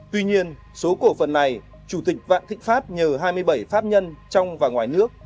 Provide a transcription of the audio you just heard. tuy nhiên số cổ phần này chủ tịch vạn thịnh pháp nhờ hai mươi bảy pháp nhân trong và ngoài nước